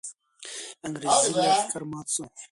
انګریزي لښکر مات سو.